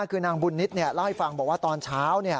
คือนางบุญนิตเล่าให้ฟังบอกว่าตอนเช้า